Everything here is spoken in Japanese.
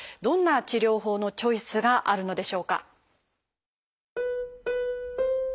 どんな治療法のチョイスがあるのでしょうか？